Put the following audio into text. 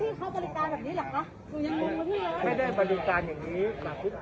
เลยแต่พี่ไล่หนูเหมือนหมูมันมาเลยกลับไปเลยกลับไปทั้ง